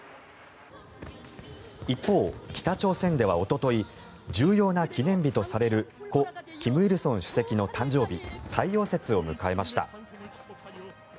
一方、北朝鮮ではおととい重要な記念日とされる故・金日成主席の誕生日太陽節を迎えました。